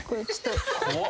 怖っ。